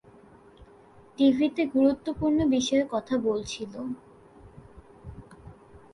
টিভিতে গুরুত্বপূর্ণ বিষয়ে কথা বলছিলো।